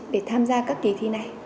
để tham gia các kỳ thi này